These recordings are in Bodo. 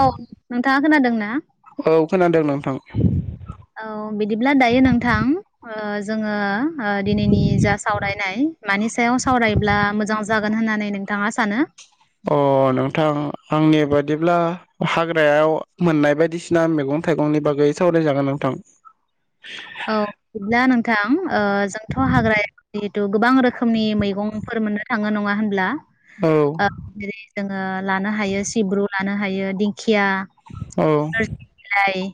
औ नोंथाङा खोनादों ना? [unintelligible] औ बिदिब्ला दायो नोंथां ओ जोङो ओ दिनैनि जा सावरायनाय मानि सायाव सावरायब्ला मोजां जागोन होननानै नोंथाङा सानो? अ नोंथां, आंनि बादिब्ला हाग्रायाव मोननाय बायदिसिना मेगं थाइगंनि बागै सावरायजागोन नोंथां। औ बिदिब्ला नोंथां ओ जोंथ' हाग्रायाव जिहेथु गोबां रोखोमनि मैगंफोर मोननो थाङो नङा होनब्ला? औ ओ जेरै जोङो लानो हायो सिब्रु लानो हायो दिंखि या, औ नोरसिं बिलाइ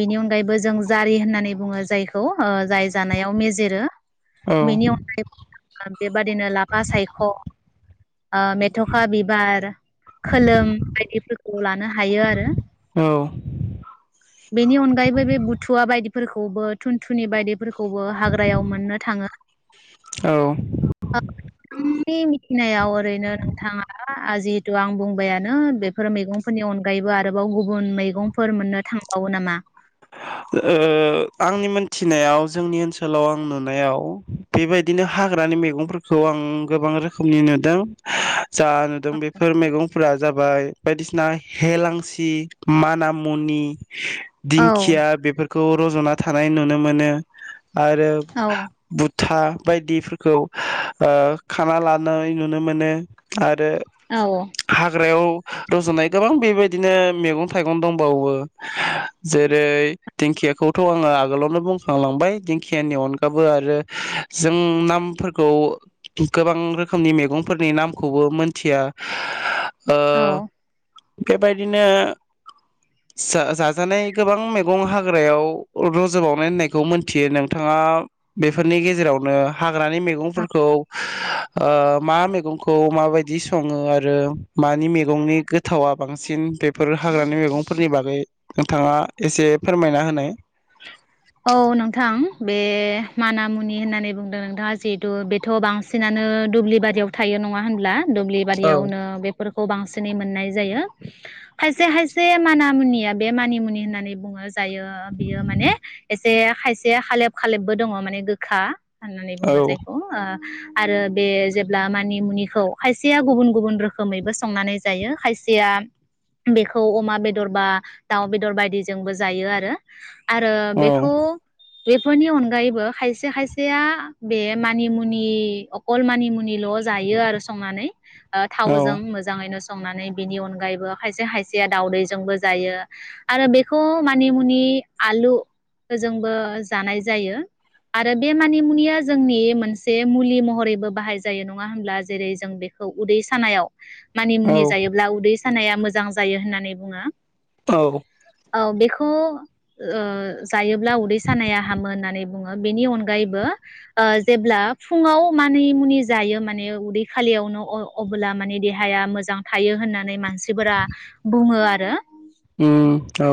बेनि अनगायैबो जों जारि होननानै बुङो जायखौ ओ जाय जानायाव मेजेरो। औ बेनि अनगायै जोंहा बेबादिनो लाफा सायख' ओ मेथ'खा बिबार, खोलोम बायदिफोरखौ लानो हायो आरो। औ बेनि अनगायैबो बे बुथुवा बायदि फोरखौबो थुनथुनि बायदि फोरखौबो हाग्रायाव मोननो थाङो। ओ नोंथांनि मिथिनायाव ओरैनो नोंथाङा आ जिहेतु आं बुंबायानो बेफोर मैगंफोरनि अनगायैबो आरोबाव गुबुन गुबुन मैगंफोर मोननो थां औ नामा। ओ आंनि मोनथिनायाव जोंनि ओनसोलाव आं नुनायाव बेबायदिनो हाग्रानि मैगंफोरखौ आं गोबां रोखोमनि नुदों। जा नुदों बेफोर मैगंफोरा। जाबाय बायदिसिना हेलांसि मानामनि। औ दिंखिया। बेफोरखौ रजना थानाय नुनो मोनो। आरो औ बुथा। बायदिफोरखौ ओ खाना लानाय नुनो मोनो आ रो औ हाग्रायाव। रजुनाय गोबां बेबायदिनो मैगं थाइगं दंबावो जेरै। दिंखियाखौथ आङो आगोलावनो बुंखांलांबाय दिंखियानि अनगाबो आरो जों नामफोरखौ गोबां रोखोमनि मैगंफोरनि नामखौबो मोनथिया। ओ औ। बेबायदिनो जा-जानाय गोबां मै गं हाग्रायाव रज बावनाय होननायखौ मोनथियो नोंथाङा बेफोरनि गेजेरावनो। हाग्रानि मैगंफोरखौ। ओ मा मैगंखौ माबायदि सङो आरो मानि मैगंनि गोथावा बांसिन बेफोर हाग्रानि मैगं। फोरनि बागै नोंथाङा एसे। फोरमायना होनाय औ नोंथां बे मानामुनि होननानै बुंदों नोंथाङा जिहेतु बेथ बांसिनानो दुब्लि बारियाव थायो नङा होनब्ला। दुब्लि औ बारियावनो बेफोरखौ बांसिनै मोननाय जायो। खायसे खायसे माना मुनिया बे मानिमुनि होननानै बुङो। जायो बियो माने। से खायसे हालेब खालेबबो दङ माने गोखा। होननानै बुङो औ जायखौ ओ। आरो बे जेब्ला मानि मुनिखौ खायसेया गुबुन गुबुन रोखोमैबो संनानै जायो खायसेया बेखौ अमा बेदर बा दाउ बेदर बायदिजोंबो जायो आरो। आरो बे खो बेफोरनि अनगायैबो खायसे खायसेया बे मानिमुनि अकल मानिमुनिल जायो आरो संनानै। ओ थावजों औ मोजाङैनो। संनानै बिनि अनगायैबो खायसे खायसेया दाउदैजोंबो जायो आरो बेखौ मानि मुनि आलु। जोंबो जानाय जायो आरो बे मानिमुनिया जोंनि मोनसे मुलि महरैबो बाहाय जायो नङा होमब्ला जेरै जों बेखौ उदै सानायाव। मानि औ मुनि जायोब्ला उदै। सानाया मोजां जायो होननानै बुङो। औ। औ बेखौ ओ जायोब्ला उदै सानाया हामो होननानै बुङो बेनि अनगायैबो जेब्ला फुङाव मानि मुनि जायो माने उदै खालियावनो अ-अबोला माने देहाया मोजां थायो होननानै मानसिफोरा बुङो आरो। उम औ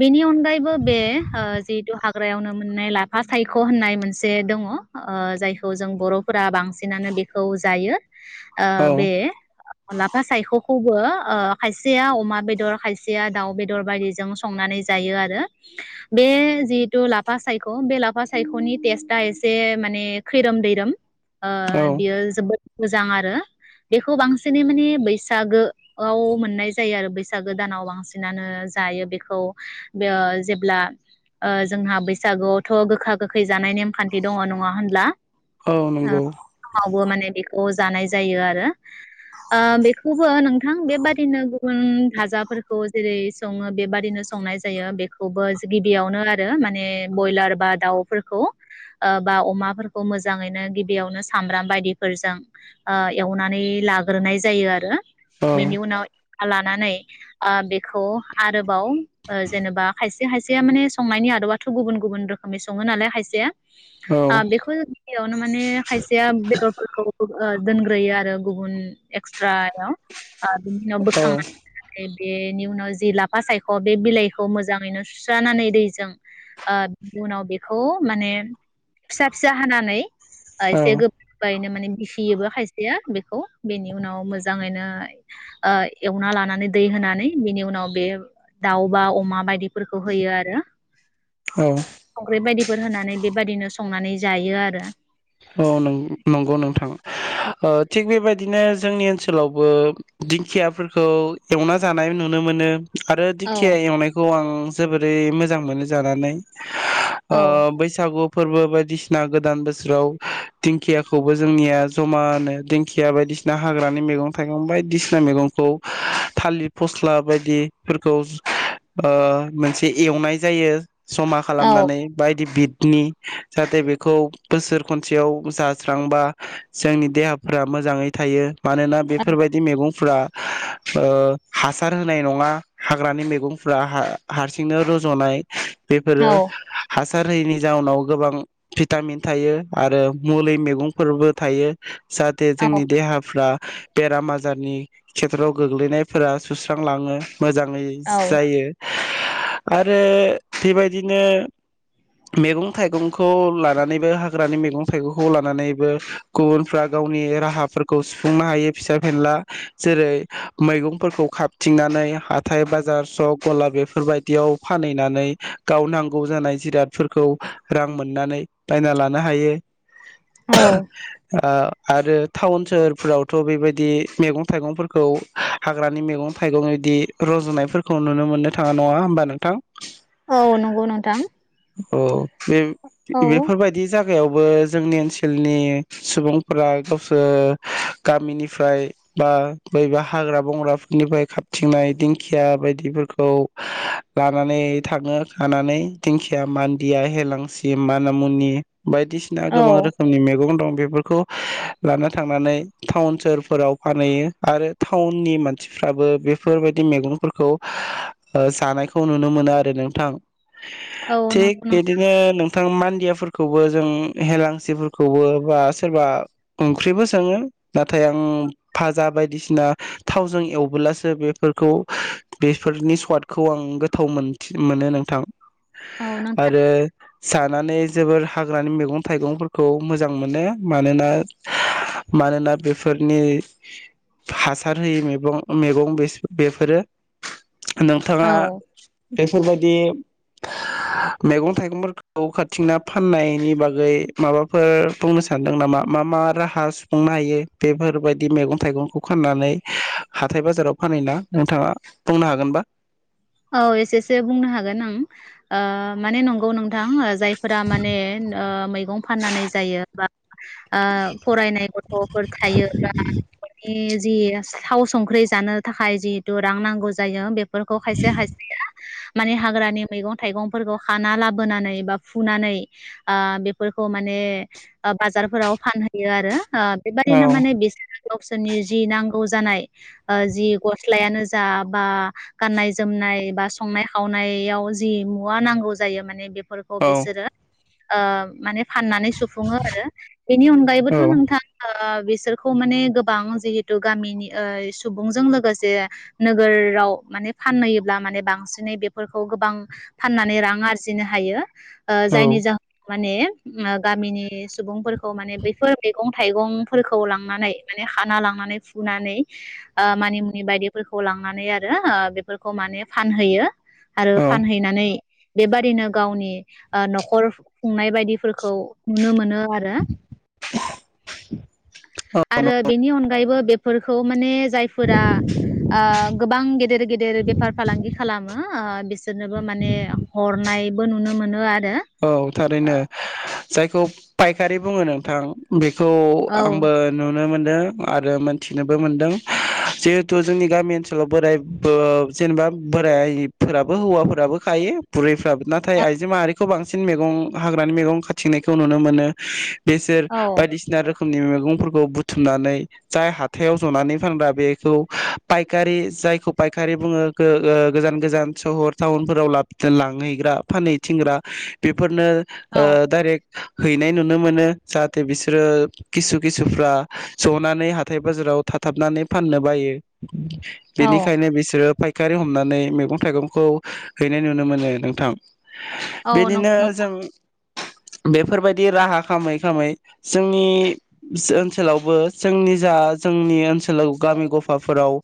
बेनि अनगायैबो बे ओ जिहेथु हाग्रायावनो मोननाय लाफा सायख‌' होननाय मोनसे दङ ओ जायखौ जों बर'फोरा बांसिनानो बेखौ जायो। आ औ बे‌ लाफा सायख' खौबो ओ खायसेया अमा बेदर खायसेया दाउ बेदर दर बायदिजों संनानै जायो आरो। बे जिहेथु लाफा सायख‌' बे लाफा सायख'नि टेस्टआ एसे माने खैरोम दैैरोम। ओ औ बियो जोबोद मोजां आरो। बेखौ बांसिनै माने बैसागोआव मोननाय जायो आरो बैसागो दानाव बांसिनानो जायो बेखौ बे ओ जेब्ला ओ जोंहा बैसागुआवथ' गोखा गोखै जानाय नेमखान्थि दङ नङा होनब्ला? औ नंगौ अ जानाय जायो आरो ओ बेखौ थेवबो नोंथां बेबादिनो गुबुन भाजाफोरखौ जेरै सङो बेबादिनो संनाय जायो बेखौबो जुदि बियावनो आरो माने बयलार बा दाउफोरखौ बा अमाफोरखौ मोजाङैनो गिबियावनो सामब्राम बायदिफोरजों ओ एवनानै लाग्रोनाय जायो आरो। औ बेनि उनाव [unintelligible] नानै ओ बेखौ आरोबाव ओ जेनेबा खायसे खायसेया माने संनायनि आदबाथ' गुबुन गुबुन रोखोमनि सङो नालाय खायसेया औ ओ बेखौ जों गिबियावनो माने खायसेया बेदरफोरखौ ओ दोनग्रोयो आरो गुबुन एक्सट्रायाव ओ बिनि उनाव औ बोखां बेनि उनाव जि ला फासायख' बे बिलाइखौ मोजाङैनो सुस्रानानै दैजों ओ उनाव बेखौ माने फिसा फिसा हानानै ओ एसे औ गोबायैनो माने [unintelligible] खायसेया बेखौ, बेनि उनाव मोजाङैनो ओ एवना लानानै दै होनानै बेनि उनाव बे दाउ बा अमा बायदिफोरखौ होयो आरो। औ संख्रि बायदिफोर होनानै बेबायदिनो सं संनानै जायो आरो। औ नं-नंगौ नोंथां ओ थिग बेबायदि दिनो जोंनि ओनसोलावबो दिंखियाफोरखौ एवना जानाय नुनो मोनो आरो दिखिया औ एवनायखौ आं जोबोरै मोजां मोनो जानानै। ओ औ बैसागु फोरबो बायदिसिना गोदान बोसोराव दिंखियाखौबो जोंनिया ज'मानो दिंखिया बायदिसिना हाग्रानि मैगं थाइगं बायदिसिना मैगंखौ थालिर फस्ला बायदिफोरखौ ओ मोनसे एवनाय जायो ज'मा औ खालामनानै बायदि बिद नि जाहाथे बेखौ बोसोर खनसेयाव जास्रांबा जोंनि देहाफ्रा मोजाङै थायो। मानोना बेफोरबादि मेगंफ्रा ओ हासार होनाय नङा हाग्रानि मैगंफ्रा हाहारसिंनो रजनाय औ बेफोरो हा सार होयैनि जाउनाव गोबां भिटामिन थायो आरो मुलै मैगंफोरबो थायो जाहाथे औ जोंनि देहाफ्रा बेराम आजारनि खेथ्रयाव गोग्लैनायफोरा सुस्रांलाङो मोजाङै औ जायो आरो बेबायदिनो मेगं थाइगंखौ लानानैबो हा ग्रानि मैगं थाइगंखौ लानानैबो गुबुनफ्रा गावनि राहाफोरखौ सुफुंनो हायो फिसा फिनला जेरै मैगंफोरखौ खाबथिंनानै हाथाय बाजार सक गला बेफोरबायदियाव फानहैनानै गाव नांगौ जानाय जिरादफोरखौ रां मोननानै बायना ला नो हायो औ आ आरो टाउन सोहोरफोरावथ' बेबायदि मैगं थाइगंफोरखौ हाग्रानि मैगं थाइगं बिदि रजनायफोरखौ नुनो मोननो थाङा नङा होमबा नोंथां? औ नंगौ नोंथां अ बे औ बेफोरबायदि बे जायगायावबो जोंनि ओनसोलनि सुबुंफोरा गावसोर गामिनिफ्राय बा बबेबा हाग्रा बंग्राफोरनिफ्राय खाबथिंनाय दिंखिया बायदिफोरखौ लानानै थाङो खानानै दिंखिया, मान्दिया, हेलांसि, मानामुनि बायदिसिना गोबां औ रोखोमनि मैगं दं। बेफोरखौ लाना थांनानै टाउन सोहोरफोराव फानहैयो आरो टाउननि मानसिफ्राबो बेफोरबायदि मैगंफोरखौ ओ जानायखौ नुनो मोनो आरो नोंथां। औ थिक नंगौ नोंथां बिदिनो नोंथां मान [unintelligible] खौबो जों हेेलांसिफोरखौबो बा सोरबा ओंख्रिबो सोङो नाथाय आं फाजा बायदिसिना थावजों एवबोब्लासो बेफोरखौ बेफोरनि स्वादखौ आं गोथाव मोन मोनो नोंथां औ नोंथां आरो जानानै जोबोर हाग्रानि मैगं थाइगंफोरखौ मोजां मोनो मानोना मानोना बेफोरनि हासार होयि मैगं मैगं बेसो बेफोरो। नोंथाङा औ बेफोरबायदि मैगं थाइगंफोरखौ खा थिंना फाननायनि बागै माबाफोर बुंनो सानदों नामा? मा मा राहा सुफुंनो हायो बेफोरबायदि मैगं थाइगंखौ फाननानै हाथाय बाजाराव फानहैना नोंथाङा बुंनो हागोनबा? औ एसेसो बुंनो हागोन आं ओ माने नं गौ नोंथां ओ जायफोरा माने ओ मैगं फाननानै जायो बा ओ फरायनाय गथ'फोर थायोबा नखरनि जि थाव संख्रि जानो थाखाय जिहेतु रां नांगौ जायो बेफोर खायसे खायसेया माने हाग्रानि मैगं थाइगंफोरखौ खाना लाबोनानै बा फुनानै ओ बेफोरखौ माने ओ बाजारफोराव फानहैयो आरो ओ औ बेबादिनो माने बिसोरो गावसोरनि जि नांगौ जानाय ओ जि गस्लायानो जा बा गाननाय जोमनाय बा संनाय खावनायाव जि मुवा नांगौ जायो माने बे फोरखौ औ बिसोरो आ माने फाननानै सुफुङो आरो बेनि अनगायैबोथ औ नोंथाङा बिसोरखौ माने गोबां जिहेतु गामिनि ओ सुबुंजों लोगोसे नोगोराव माने फानहैयोब्ला माने बांसिनै बेफोरखौ गोबां फाननानै रां आरजिनो हायो ओ जायनि औ जाहोन माने गामिनि सुबुंफोरखौ माने बैफोर मैगं थाइगंफोरखौ लांनानै माने हाना लांनानै फुनानै मानिमुनि बायदिफोरखौ लांनानै आरो फोरफोरखौ माने फानहोयो आरो औ फानहैनानै बेबादिनो गावनि नखर खुंनाय बायदिफोरखौ नुनो मोनो औ आरो बेनि अनगायैबो बे फोरखौ माने जायफोरा ओ गोबां गेदेर गेदेर फालांगि खालामो ओ बिसोरनोबो माने हरनायबो नुनो मोनो आरो औ थारैनो जायखौ फायखारि बुङो नोंथां बे औ औ आंबो नुनो मोनो आरो मोनथिनोबो मोनदों जिहेथु जोंनि गामि ओनसोलाव बोराय जेनेबा बोरायफोराबो हौवाफोराबो खायो बुरैफ्राबो नाथाय आइजो माहारि बांसिन मैं हाग्रानि मैगं खाथिंनायखौ नुनो मोनो बेसोर औ बायदिसिना रोखोम रोखोमनि मैगंफोरखौ बुथुमनानै जाय हाथायाव जनानै फानग्रा बेखौ फायखारि जायखौ फायखारि बुङो गोजान गोजान सहर टाउनफोराव लांहैग्रा फानहैथिंग्रा बे फोरनो औ डाइरेक्ट हैनाय नुनो मोनो जाहाथे बिसोरो किसु खिसुफ्रा जनानै हाथाय बाजाराव थाथाबनानै फाननो बायो औ बेनिखायनो बिसोरो फाय फायखारि हमनानै मैगं थाइगंखौ हैनाय नुनो मोनो नोंथां औ बिदिनो नंगौ जों बेफोरबायदि राहा खालामै खालामै जोंनि ओनसोलावबो जोंनि जा जोंनि ओनसोलाव गामि गफाफोराव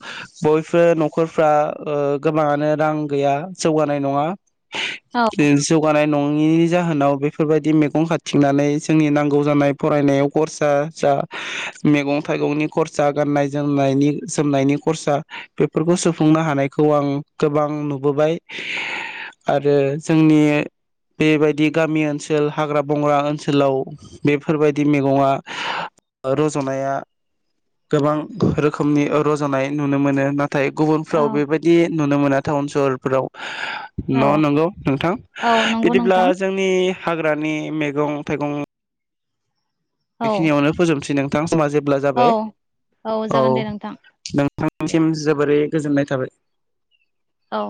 बयबो नखरफ्रा ओ गोबाङानो रां गैया जौगानाय नङा औ जानाय नङिनि जाहोनाव बेफोरबायदि मैगं खाथिंनानै जोंनि नांगौ जानाय फरायनायाव खरसा जा मैगं थाइगंनि खरसा गाननाय जोमनायनि जोमनायनि खरसा बेफोरखौ सुफुंनो हानायखौ आं गोबां नुबोबाय आरो जोंनि बेबायदि गामि ओनसोल हाग्रा बंग्रा ओनसोलाव बेफोरबायदि मैगङा रजनाया गोबां रोखोमनि रजनाय नुनो मोनो ना नाथाय गुबुनफ्राव औ बेबायदि नुनो मोना टाउन सहरफ्राव औ न नंगौ नोंथां औ नंगौ बिदिब्ला नोंथां जोंनि हाग्रानि मैगं-थाइगं औ बेखिनियावनो फोजोबनोसै नों थां समा जो औ जाबाय औ जागोन दे नोंथां दे नोंथांसिम जोबोरै गोजोननाय थाबाय। औ